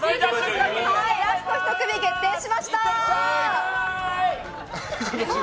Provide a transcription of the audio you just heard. ラスト１組決定しました。